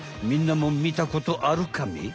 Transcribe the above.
みんなも見たことあるカメ？